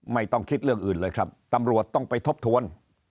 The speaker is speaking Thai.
ไม่ต้องคิดเรื่องอื่นเลยครับตำรวจต้องไปทบทวน